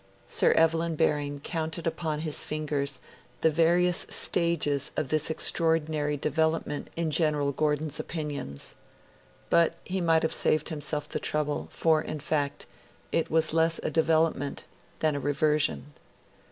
Sir Evelyn Baring counted upon his fingers the various stages of this extraordinary development in General Gordon's opinions. But he might have saved himself the trouble, for, in fact, it was less a development than a reversion.